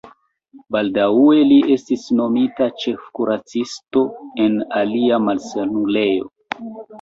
Baldaŭe li estis nomita ĉefkuracisto en alia malsanulejo.